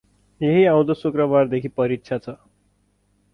यही आउँदो शुक्रबार देखी परिक्षा छ ।